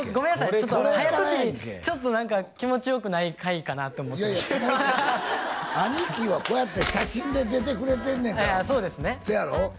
ちょっと早とちりちょっと何か気持ちよくない回かなって思って兄貴はこうやって写真で出てくれてんねんからそうですねそやろ？